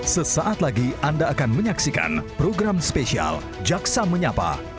sesaat lagi anda akan menyaksikan program spesial jaksa menyapa